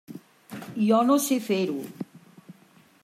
Jo no sé fer-ho.